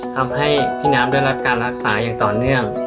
ทำให้พี่น้ำได้รับการรักษาอย่างต่อเนื่อง